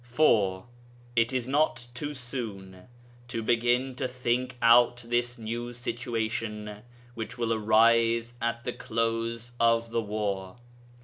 4. It is not too soon to begin to think out the new situation which will arise at the close of the war.